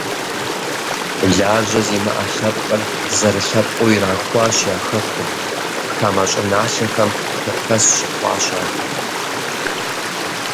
Лажьэ зимыӀэ лъэпкъыр зэрылъэпкъыу ирахуащ я хэкум, хамэ щӀыналъэхэм хэхэс щыхъуащ ахэр.